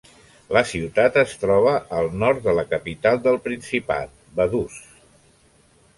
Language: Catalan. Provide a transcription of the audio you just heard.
La ciutat es troba al nord de la capital del principat, Vaduz.